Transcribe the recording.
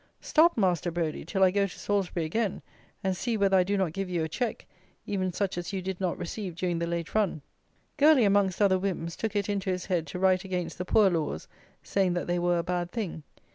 Stop, Master Brodie, till I go to Salisbury again, and see whether I do not give you a check, even such as you did not receive during the late run! Gourlay, amongst other whims, took it into his head to write against the poor laws, saying that they were a bad thing.